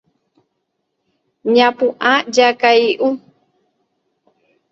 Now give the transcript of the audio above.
Ñapu'ã jakay'u.